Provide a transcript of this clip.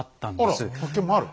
あら発見もある。